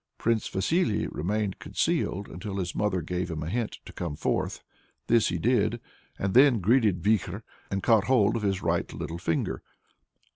Prince Vasily remained concealed until his mother gave him a hint to come forth. This he did, and then greeted Vikhor, and caught hold of his right little finger.